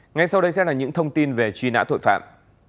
ngay sau đây sẽ là những thông tin về truy nã tội phạm